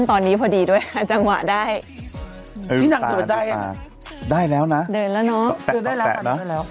ตอนนี้พอดีด้วยฮะจังหวะได้ได้แล้วน่ะเดินแล้วน่ะได้แล้วน่ะ